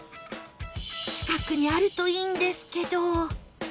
近くにあるといいんですけど